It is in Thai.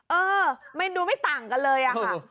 เออมันดูไม่ต่างกันเลยค่ะ